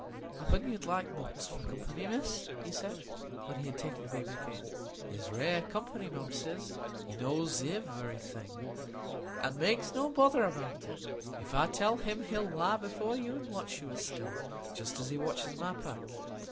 "Happen you'd like Mumps for company, Miss," he said when he had taken the baby again. "He's rare company, Mumps is; he knows iverything, an' makes no bother about it. If I tell him, he'll lie before you an' watch you, as still,—just as he watches my pack.